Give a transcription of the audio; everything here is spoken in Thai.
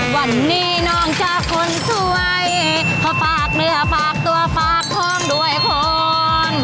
วันนี้นอกจากคนสวยเขาฝากเนื้อฝากตัวฝากท้องด้วยคน